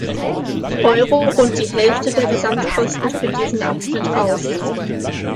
Euro rund die Hälfte der Gesamtkosten für diesen Abschnitt aus.